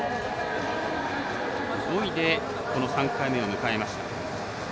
５位で３回目を迎えました。